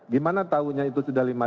gimana tahunya itu sudah lima ribu